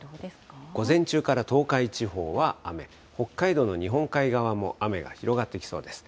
午前中から東海地方は雨、北海道の日本海側も雨が広がっていきそうです。